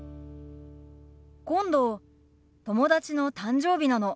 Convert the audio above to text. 今度友達の誕生日なの。